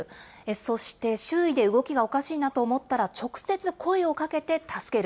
そして周囲で動きがおかしいなと思ったら、直接声をかけて助ける。